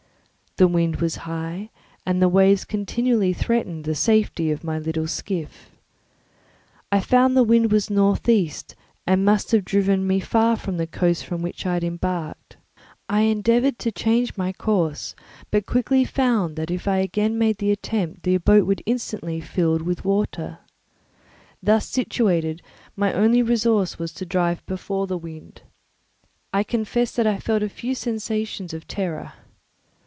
The wind was high, and the waves continually threatened the safety of my little skiff. I found that the wind was northeast and must have driven me far from the coast from which I had embarked. I endeavoured to change my course but quickly found that if I again made the attempt the boat would be instantly filled with water. Thus situated, my only resource was to drive before the wind. I confess that I felt a few sensations of terror.